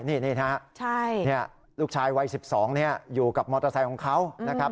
นี่นะครับลูกชายวัย๑๒อยู่กับมอเตอร์ไซค์ของเขานะครับ